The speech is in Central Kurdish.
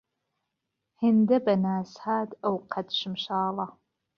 هێنده به ناز هات ئەو قهد شمشاڵه